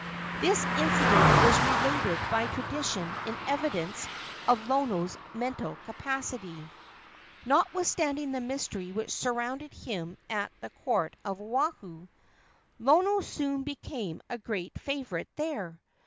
This incident is related by tradition in evidence of Lono's mental capacity. Notwithstanding the mystery which surrounded him at the court of Oahu, Lono soon became a great favorite there.